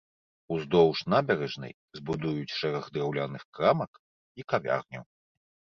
Уздоўж набярэжнай збудуюць шэраг драўляных крамак і кавярняў.